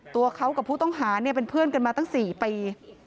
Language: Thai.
ตัวเขากับผู้ต้องหาเป็นเพื่อนกันมาตั้ง๔ปี